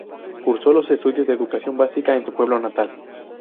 Cursó los estudios de educación básica en su pueblo natal.